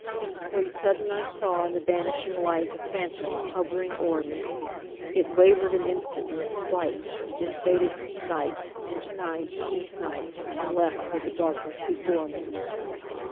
When sudden I saw in the vanishing light A phantom hovering o'er me; It wavered an instant in its flight; Then faded from sight, into night, into night, And left but the darkness before me.